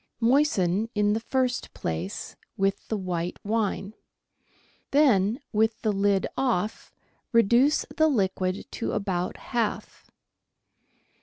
Moisten, in the first place, with the white wine ; then, with the lid off, reduce the liquid to about half.